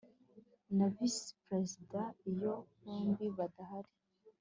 na vice perezida iyo bombi badahari